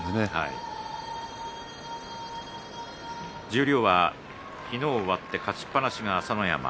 十両は昨日終わって勝ちっぱなしが朝乃山。